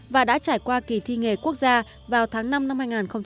và đã trải qua kỳ thi nghề quốc gia vào tháng năm năm hai nghìn một mươi sáu